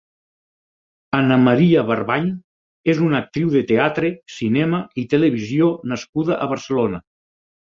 Anna Maria Barbany és una actriu de teatre, cinema i televisió nascuda a Barcelona.